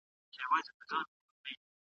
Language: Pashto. ما ته د دې موضوع په اړه معلومات راکړه.